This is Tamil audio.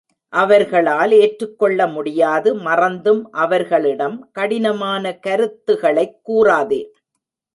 அவர்களால் ஏற்றுக்கொள்ள முடியாது மறந்தும் அவர்களிடம் கடினமான கருத்துகளைக் கூறாதே.